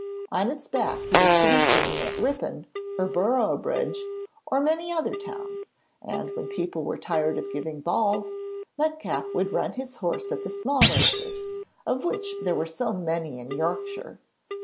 On its back he was to be seen at Ripon or Boroughbridge or many other towns, and when people were tired of giving balls, Metcalfe would run his horse at the small races, of which there are so many in Yorkshire.